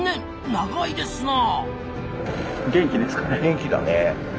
長いですなあ。